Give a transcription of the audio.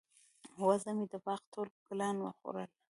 وزه مې د باغ ټول ګلان وخوړل.